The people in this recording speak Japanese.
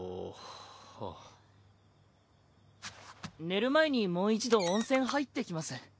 寝る前にもう一度温泉入ってきます。